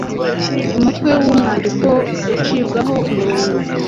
Umutwe w’umwandiko ucibwaho umurongo